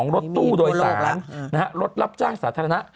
รถตู้โดยสารรถรับจ้างสาธารณะ